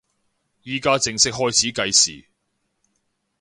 依家正式開始計時